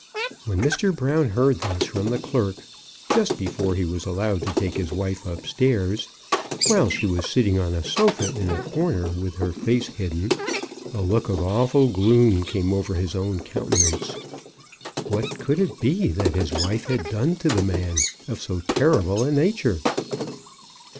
When Mr. Brown heard this from the clerk just before he was al lowed to take his wife up stairs, while she was sitting on a sofa in a corner with her face hid den, a look of awful gloom came over his own countenance. What could it be that his wife had done to the man, of so terrible a nature?